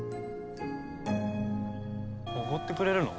おごってくれるの？